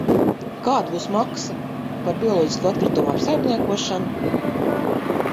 kāda būs maksa par bioloģisko atkritumu apsaimniekošanu?